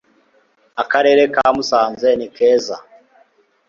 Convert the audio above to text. Akarere ka Musanze ni keza